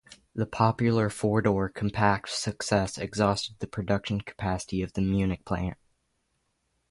The popular four-door compact's success exhausted the production capacity of the Munich plant.